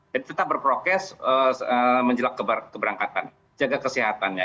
jadi tetap berprokes menjelak keberangkatan jaga kesehatannya